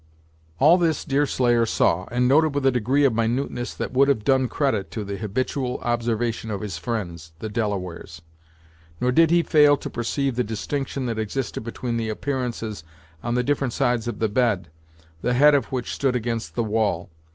All this Deerslayer saw, and noted with a degree of minuteness that would have done credit to the habitual observation of his friends, the Delawares. Nor did he fail to perceive the distinction that existed between the appearances on the different sides of the bed, the head of which stood against the wall.